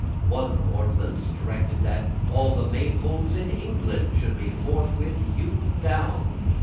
One ordinance directed that all the Maypoles in England should forthwith be hewn down.